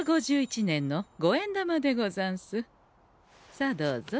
さあどうぞ。